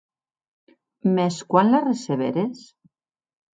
Mès quan la receberes?